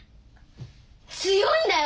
強いんだよ